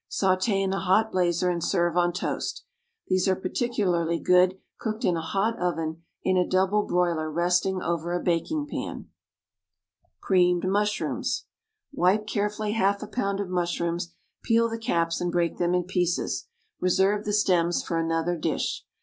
Sauté in a hot blazer and serve on toast. These are particularly good, cooked in a hot oven in a double broiler resting over a baking pan. =Creamed Mushrooms.= Wipe carefully half a pound of mushrooms; peel the caps and break them in pieces. Reserve the stems for another dish.